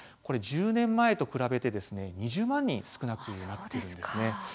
これ１０年前と比べて２０万人少なくなっています。